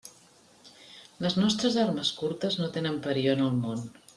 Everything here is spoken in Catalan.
Les nostres armes curtes no tenen parió en el món.